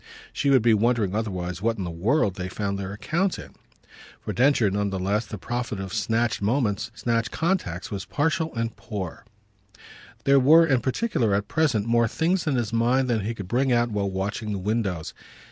She would be wondering otherwise what in the world they found their account in. For Densher, none the less, the profit of snatched moments, snatched contacts, was partial and poor; there were in particular at present more things in his mind than he could bring out while watching the windows.